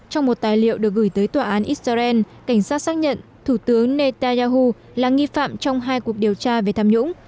trong một tài liệu được gửi tới tòa án israel cảnh sát xác nhận thủ tướng netanyahu là nghi phạm trong hai cuộc điều tra về tham nhũng